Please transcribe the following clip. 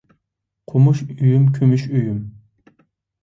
قومۇش ئۆيۈم، كۈمۈش ئۆيۈم.